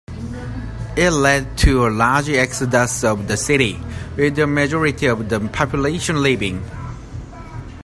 It led to a large exodus of the city, with a majority of the population leaving.